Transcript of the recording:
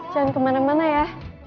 jangan kemana mana ya